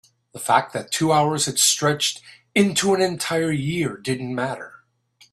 the fact that the two hours had stretched into an entire year didn't matter.